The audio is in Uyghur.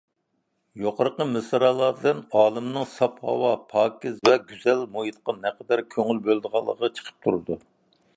يۇقىرىقى مىسرالاردىن ئالىمنىڭ ساپ ھاۋا، پاكىز ۋە گۈزەل مۇھىتقا نەقەدەر كۆڭۈل بۆلىدىغانلىقى چىقىپ تۇرىدۇ.